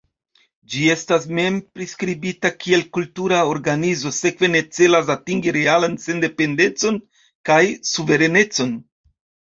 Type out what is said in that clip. Ĝi estas mem-priskribita kiel kultura organizo, sekve ne celas atingi realan sendependecon kaj suverenecon.